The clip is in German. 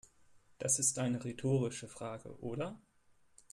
Das ist eine rhetorische Frage, oder?